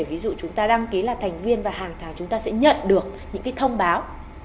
ví dụ chúng ta đăng ký là thành viên và hàng tháng chúng ta sẽ nhận được những thông báo